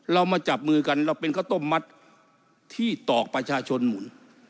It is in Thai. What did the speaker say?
เรามาจับมือกันเราเป็นข้าวต้มมัดที่ตอกประชาชนหมุน